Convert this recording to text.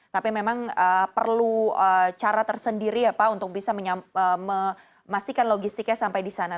tapi memang perlu cara tersendiri ya pak untuk bisa memastikan logistiknya sampai di sana